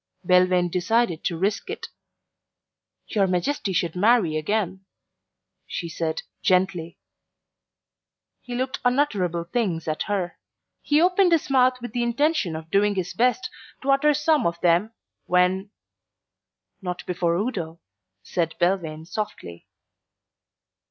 Belvane decided to risk it. "Your Majesty should marry again," she said gently. He looked unutterable things at her. He opened his mouth with the intention of doing his best to utter some of them, when "Not before Udo," said Belvane softly.